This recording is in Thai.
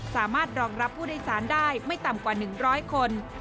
สามารถรองรับผู้โดยสารได้ไม่ต่ำกว่า๑๐๐คน